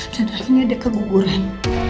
dan akhirnya dia keguguran